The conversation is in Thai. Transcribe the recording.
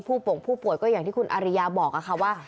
ผู้ป่งผู้ป่วยก็อย่างที่คุณอาริยาบอกกับเขาว่า